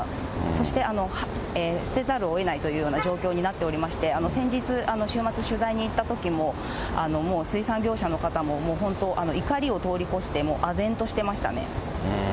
そして捨てざるをえないというような状況になっておりまして、先日、週末、取材に行ったときも、もう水産業者の方も、もう本当、怒りを通り越して、もうあぜんとしてましたね。